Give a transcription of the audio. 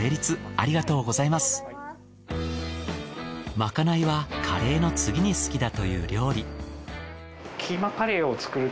まかないはカレーの次に好きだという料理。